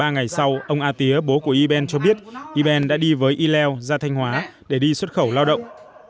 ba ngày sau ông a tía bố của y ben cho biết y ben đã đi với y lèo ra thanh hóa để đi xuất khẩu lao động